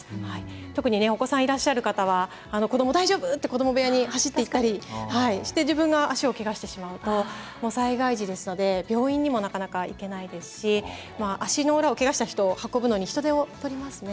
特にお子さんいらっしゃる方は子ども大丈夫？って子ども部屋に走っていったりして自分が足をけがしてしますと災害時ですので、病院にもなかなか行けないですし足の裏をけがした人を運ぶのに人手を取りますよね。